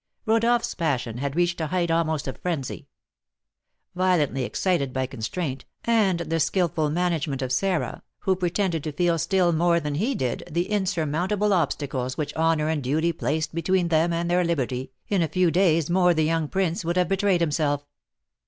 Rodolph's passion had reached a height almost of frenzy. Violently excited by constraint, and the skilful management of Sarah, who pretended to feel still more than he did the insurmountable obstacles which honour and duty placed between them and their liberty, in a few days more the young prince would have betrayed himself.